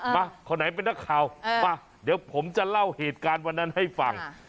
มาคนไหนเป็นนักข่าวมาเดี๋ยวผมจะเล่าเหตุการณ์วันนั้นให้ฟัง